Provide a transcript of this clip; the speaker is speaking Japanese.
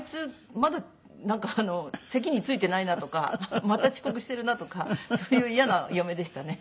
まだ席に着いてないなとかまた遅刻してるなとかそういう嫌な嫁でしたね。